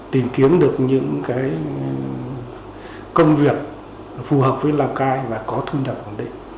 tìm kiếm được những công việc phù hợp với lào cai và có thu nhập ổn định